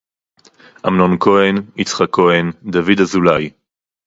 אמנון כהן, יצחק כהן, דוד אזולאי